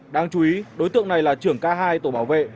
đáng chú ý đối tượng này là trưởng k hai tổ bảo vệ